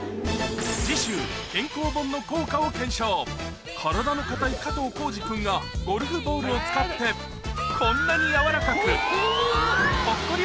次週体の硬い加藤浩次君がゴルフボールを使ってこんなに軟らかくぽっこり